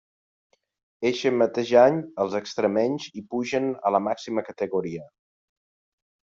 Eixe mateix any, els extremenys hi pugen a la màxima categoria.